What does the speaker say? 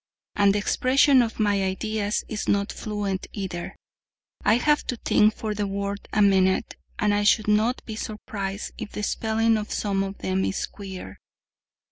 And the expression of my ideas is not fluent either: I have to think for the word a minute, and I should not be surprised if the spelling of some of them is queer.